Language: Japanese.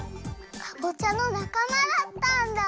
かぼちゃのなかまだったんだ！